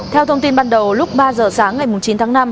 theo thông tin ban đầu lúc ba giờ sáng ngày chín tháng năm